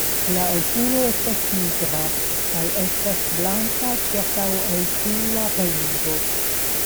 La okulo estas nigra kaj estas blanka ĉirkaŭokula ringo.